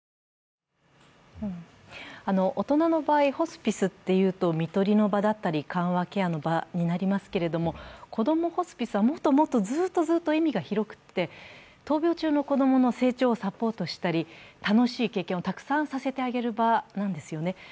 大人の場合、ホスピスというと看取りの場だったり緩和ケアの場になりますけれどもこどもホスピスはもっともっどずっと意味が広くて、闘病中の子供の成長をサポートしたり楽しい経験をたくさんさせてあげる場なんですよね。